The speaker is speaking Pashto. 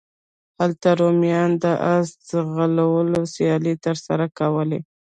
هلته رومیانو د اس ځغلولو سیالۍ ترسره کولې.